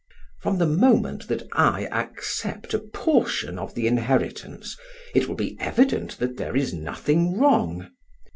From the moment that I accept a portion of the inheritance it will be evident that there is nothing wrong.